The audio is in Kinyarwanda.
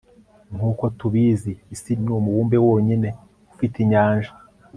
nkuko tubizi, isi ni umubumbe wonyine ufite inyanja